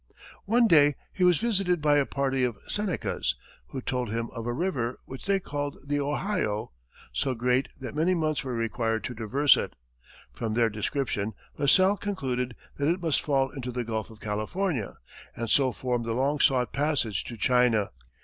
One day he was visited by a party of Senecas, who told him of a river, which they called the Ohio, so great that many months were required to traverse it. From their description, La Salle concluded that it must fall into the Gulf of California, and so form the long sought passage to China.